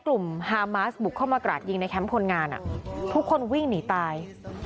ฮามาสบุกเข้ามากราดยิงในแคมป์คนงานทุกคนวิ่งหนีตาย